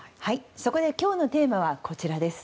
そこで今日のテーマはこちら。